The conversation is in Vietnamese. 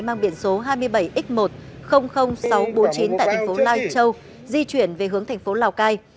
mang biển số hai mươi bảy x một trăm linh nghìn sáu trăm bốn mươi chín tại thành phố lai châu di chuyển về hướng thành phố lào cai